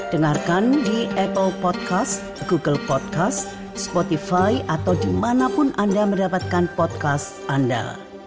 dengarkan di apple podcast google podcast spotify atau dimanapun anda mendapatkan podcast anda